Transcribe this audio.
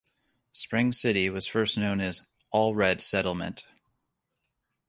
Spring City was first known as "Allred Settlement".